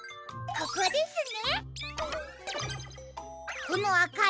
ここですね。